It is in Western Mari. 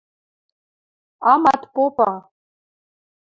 Амат попы...